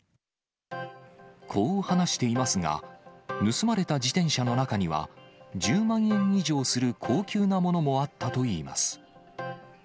こう話していますが、盗まれた自転車の中には、１０万円以上する高級なものもあったといいます。